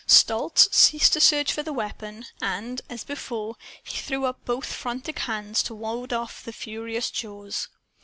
Stolz ceased to search for the weapon. And, as before, he threw up both frantic hands to ward off the furious jaws.